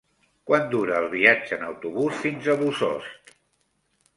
Quant dura el viatge en autobús fins a Bossòst?